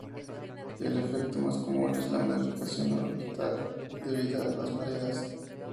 El efecto más común es la modificación orbital debida a las mareas.